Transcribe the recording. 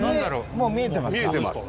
もう見えてますか？